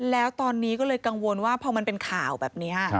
แล้วตอนนี้ก็เลยกังวลว่าพอมันเป็นข่าวแบบนี้